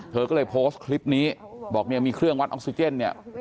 เธอก็เลยโพสต์คลิปนี้บอกเนี่ยมีเครื่องวัดออกซิเจนเนี่ย